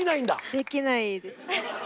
できないです。